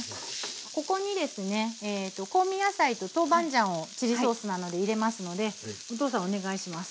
ここにですね香味野菜と豆板醤をチリソースなので入れますのでお父さんお願いします。